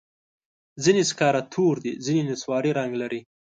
ځینې سکاره تور دي، ځینې نسواري رنګ لري.